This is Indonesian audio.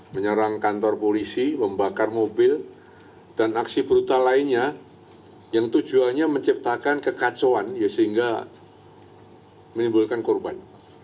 menyerang kantor polisi membakar mobil dan aksi brutal lainnya yang tujuannya menciptakan kekacauan sehingga menimbulkan korban